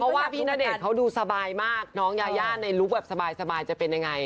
เพราะว่าพี่ณเดชน์เขาดูสบายมากน้องยายาในลุคแบบสบายจะเป็นยังไง